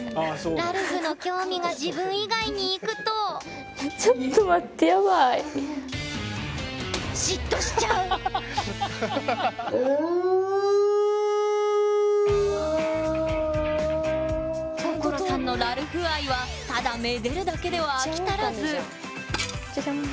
ラルフの興味が自分以外にいくと嫉妬しちゃう心さんのラルフ愛はただめっちゃ狼じゃん。